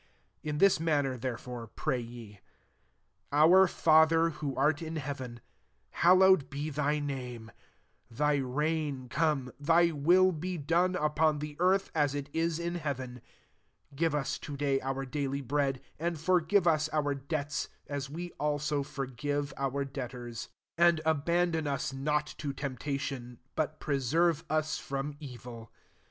9 *' In this manner therefore pray ye :* Our Father, who art in heaven, hallowed be thy name : 10 thy reign come : thy will be done upon the earth, as it is in heaven : 1 1 give us to day our daily bread: 12 and forgive us our debts, as we also forgive our debtors: 13 and abandon us not to temptation, but preserve us from evil.'